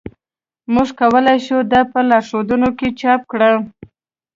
موږ کولی شو دا په لارښودونو کې چاپ کړو